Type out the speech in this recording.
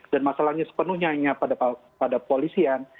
dan masalahnya sepenuhnya hanya pada polisian